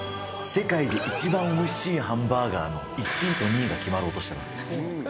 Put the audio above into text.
世界で一番おいしいハンバーガーの１位と２位が決まろうとしてます。